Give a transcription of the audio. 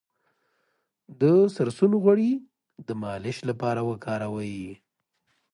د سرسونو غوړي د مالش لپاره وکاروئ